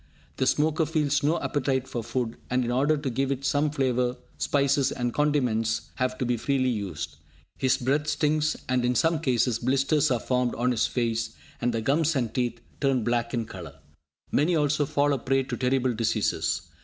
The smoker feels no appetite for food, and in order to give it some flavour, spices and condiments have to be freely used. His breath stinks, and, in some cases, blisters are formed on his face, and the gums and teeth turn black in colour. Many also fall a prey to terrible diseases.